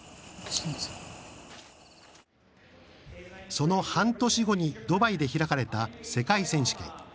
その半年後にドバイで開かれた世界選手権。